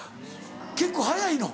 結構速いの？